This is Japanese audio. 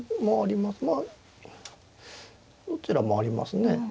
まあどちらもありますね。